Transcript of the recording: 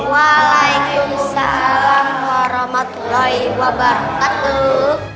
waalaikumsalam warahmatullahi wabarakatuh